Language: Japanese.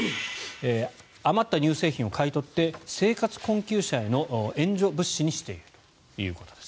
余った乳製品を買い取って生活困窮者への援助物資にしているということです。